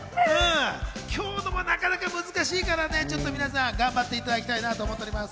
今日もなかなか難しいから、皆さん頑張っていただきたいなと思っています。